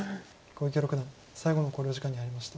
小池六段最後の考慮時間に入りました。